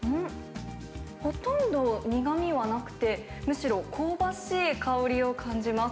ほとんど苦みはなくて、むしろ香ばしい香りを感じます。